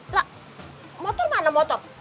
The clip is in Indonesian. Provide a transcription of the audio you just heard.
lah motor mana motor